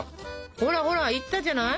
ほらほらいったじゃない！